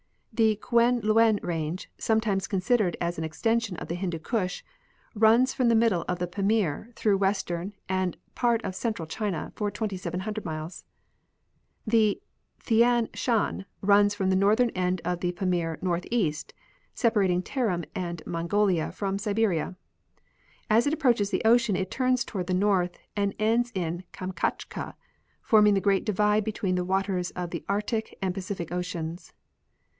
The Kuen Luen range, sometimes considered as an extension of the Hindu Kush, runs from the middle of the Pamir through western and part of central China for 2,700 miles. The Thian Shan runs from the northern end of the Pamir northeast, sepa rating Tarim and INIongolia from Siberia. As it approaches the ocean it turns toward the north and ends in Kamchatka, forming the great divide between the waters of the Arctic and Pacific oceans.